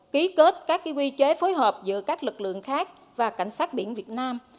ký kết các quy chế phối hợp giữa các lực lượng khác và cảnh sát biển việt nam